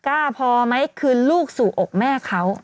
กล้าพอไหมคืนลูกสู่อกแม่เขา